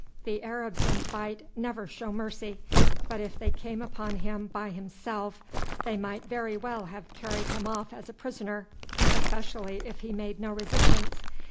The Arabs in fight never show mercy, but if they came upon him by himself they might very well have carried him off as a prisoner, especially if he made no resistance.